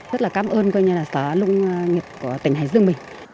rất là cám ơn coi như là sở nông nghiệp của tỉnh hải dương mình